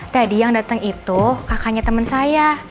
tadi yang datang itu kakaknya teman saya